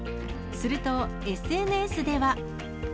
すると、ＳＮＳでは。